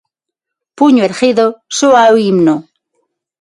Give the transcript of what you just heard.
Puño erguido, soa o himno.